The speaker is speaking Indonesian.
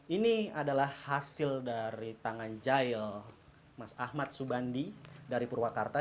ini adalah hasil dari tangan jahil mas ahmad subandi dari purwakarta